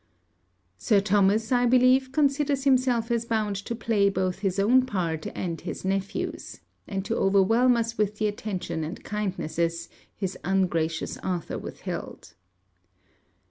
Sir Thomas, I believe, considers himself as bound to play both his own part and his nephew's; and to overwhelm us with the attentions and kindnesses, his ungracious Arthur withheld.